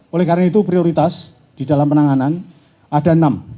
oleh karena itu prioritas di dalam penanganan ada enam